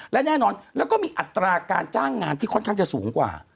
และแน่นอนแล้วก็มีอัตราการจ้างงานที่ค่อนข้างจะสูงกว่า